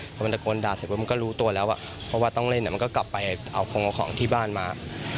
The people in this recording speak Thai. พอมันตะโกนด่าเสร็จปุ๊บมันก็รู้ตัวแล้วเพราะว่าต้องเล่นมันก็กลับไปเอาคงเอาของที่บ้านมา